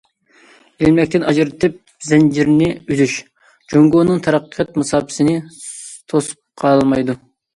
« ئىلمەكتىن ئاجرىتىپ زەنجىرنى ئۈزۈش» جۇڭگونىڭ تەرەققىيات مۇساپىسىنى توسۇپ قالالمايدۇ.